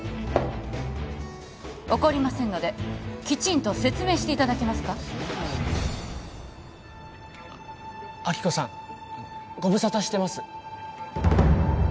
怒りませんのできちんと説明していただけますかあ亜希子さんご無沙汰してます